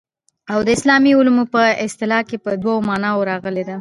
او د اسلامي علومو په اصطلاح کي په دوو معناوو راغلې ده.